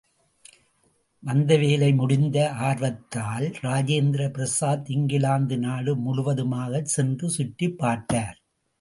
வந்த வேலை முடிந்த ஆர்வத்தால், ராஜேந்திர பிரசாத் இங்கிலாந்து நாடு முழுவதுமாகச் சென்று சுற்றிப் பார்த்தார்.